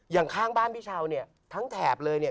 อย่างข้างบ้านพี่เช้าเนี่ยทั้งแถบเลยเนี่ย